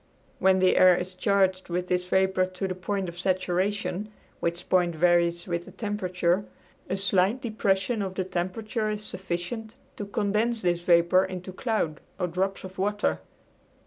When the air is charged with this vapor to the point of saturation (which point varies with the temperature) a slight depression of the temperature is sufficient to condense this vapor into cloud or drops of water.